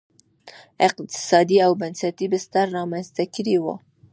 اقتصادي او بنسټي بستر رامنځته کړی و.